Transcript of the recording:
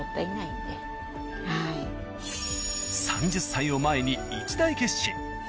３０歳を前に一大決心。